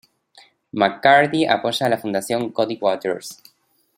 McCurdy apoya a la "Fundación Cody Waters".